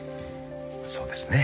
そうですね。